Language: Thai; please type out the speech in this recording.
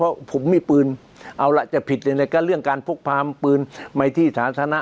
เพราะผมมีปืนเอาล่ะจะผิดยังไงก็เรื่องการพกพามปืนในที่สาธารณะ